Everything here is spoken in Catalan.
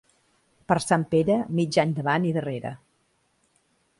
Per Sant Pere, mig any davant i darrere.